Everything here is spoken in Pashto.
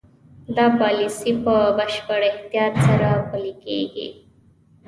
دا پالیسي په بشپړ احتیاط سره پلي کېږي.